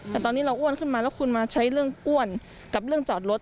แต่ตอนนี้เราอ้วนขึ้นมาแล้วคุณมาใช้เรื่องอ้วนกับเรื่องจอดรถ